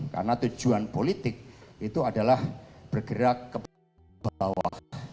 karena tujuan politik itu adalah bergerak ke bawah